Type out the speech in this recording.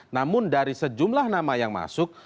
namun dari sejumlah nama yang masuk